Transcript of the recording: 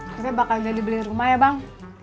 akhirnya bakal jadi beli rumah ya bang